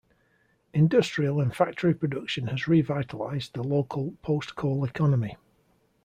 Industrial and factory production has revitalized the local post-coal economy.